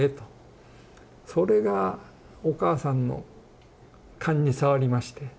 それがお母さんのかんに障りまして。